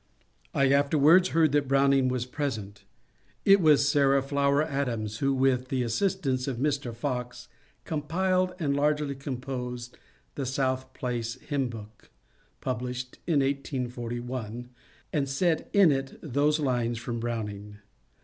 I afterwards heard that Browning was present. It was Sarah Flower Adams who, with the assistance of Mr. Fox, compiled and largely composed the *^ South Place Hymn Book " (published in 1841), and set in it those lines from Browning.